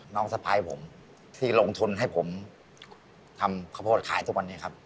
สะพายผมที่ลงทุนให้ผมทำข้าวโพดขายทุกวันนี้ครับ